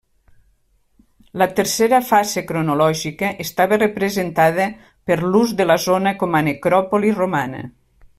La tercera fase cronològica estava representada per l'ús de la zona com a necròpoli romana.